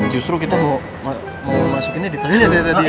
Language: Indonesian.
justru kita mau masukinnya di toilet tadi